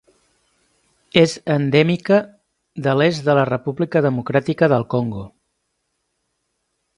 És endèmica de l'est de la República Democràtica del Congo.